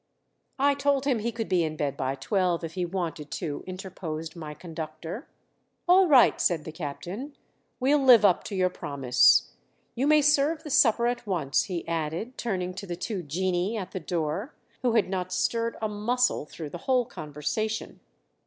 "I told him he could be in bed by twelve if he wanted to," interposed my conductor. "All right," said the captain. "We'll live up to your promise. You may serve the supper at once," he added, turning to the two genii at the door, who had not stirred a muscle through the whole conversation.